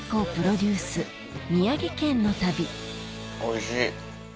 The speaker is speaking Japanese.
おいしい。